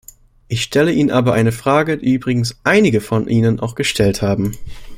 Ich stelle Ihnen aber eine Frage, die übrigens einige von Ihnen auch gestellt haben.